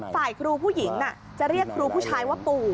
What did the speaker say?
ฝ่ายครูผู้หญิงจะเรียกครูผู้ชายว่าปู่